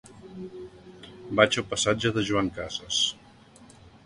Vaig al passatge de Joan Casas.